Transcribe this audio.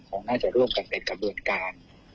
คงน่าจะร่วมกับเด็ดกระเบือนการ